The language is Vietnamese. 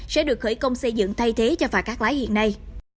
sẽ được khởi công xây dựng thay thế cho phà cắt lái hiện nay